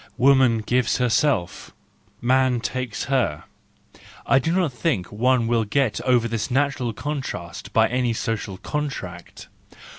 Woman gives herself, man takes her. — I do not think one will get over this natural contrast by any social contract